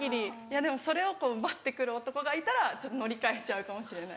でもそれを奪って来る男がいたら乗り換えちゃうかもしれない。